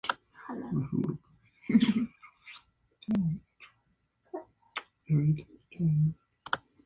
Rahman y Nadeem-Shravan.